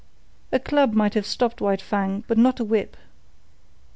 A club might have stopped White Fang, but not a whip.